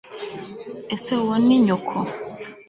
ese uwo ni nyoko